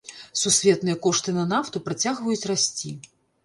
Сусветныя кошты на нафту працягваюць расці.